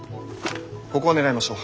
ここを狙いましょう。